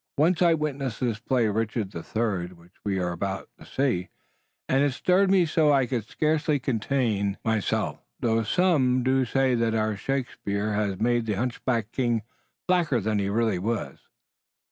Once, I witnessed this play 'Richard III,' which we are now about to see, and it stirred me so I could scarce contain myself, though some do say that our Shakespeare has made the hunchback king blacker than he really was."